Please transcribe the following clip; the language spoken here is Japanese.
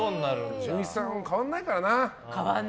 純一さん、変わらないからな。